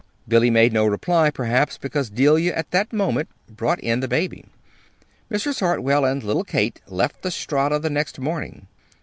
Billy made no reply, perhaps because Delia, at that moment, brought in the baby. Mrs. Hartwell and little Kate left the Strata the next morning.